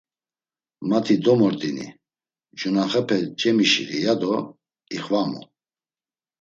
Mati domordini, cunaxepe cemişiri, yado ixvamu.